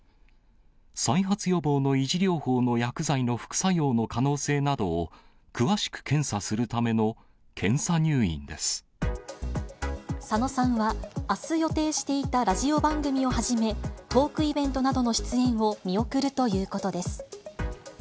再発予防の維持療法の薬剤の副作用の可能性などを詳しく検査する佐野さんは、あす予定していたラジオ番組をはじめ、トークイベントなどの出演を見送るということです。